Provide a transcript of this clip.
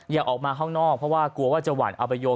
อย่าออกมาข้างนอกเพราะว่ากลัวว่าจะหวั่นเอาไปโยง